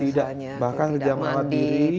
tidak bahkan tidak merawat diri